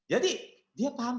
jadi dia paham